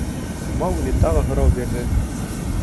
— Маугли тағы һорау бирҙе.